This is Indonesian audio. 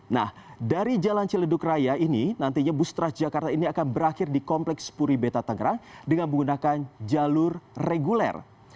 nah dari jalan ciledug raya ini nantinya bus transjakarta ini akan berakhir di kompleks puri beta tangerang dengan menggunakan jalur reguler